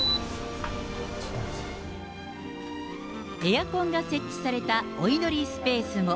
エアコンが設置されたお祈りスペースも。